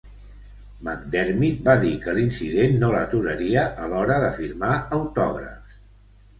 McDermid va dir que l'incident no l'aturaria a l'hora de firmar autògrafs.